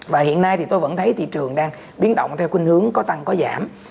và hiện nay thì tôi vẫn thấy thị trường đang biến động theo khuyên hướng có tăng có giảm